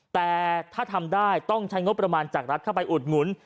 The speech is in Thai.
แต่ถ้าทำได้ต้องใช้งบประมาณจากรัฐเข้าไปอุดหนุน